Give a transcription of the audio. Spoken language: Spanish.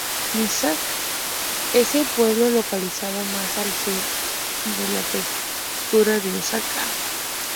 Misaki-cho es el pueblo localizado más al sur de la prefectura de Osaka.